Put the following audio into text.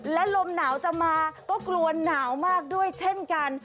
และลมหนาวจะมาก็กลัวหนาวมากด้วยเช่นกัน